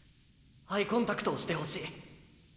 アイコンタクトをしてほしい。